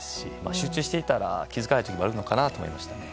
集中してたら、気づかない時もあるのかなと思いました。